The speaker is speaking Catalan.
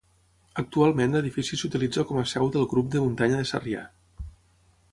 Actualment l'edifici s'utilitza com a seu del Grup de muntanya de Sarrià.